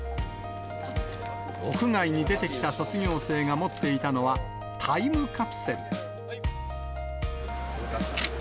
屋外に出てきた卒業生が持っていたのは、タイムカプセル。